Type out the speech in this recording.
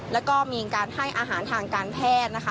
แล้วก็มีการให้อาหารทางการแพทย์นะคะ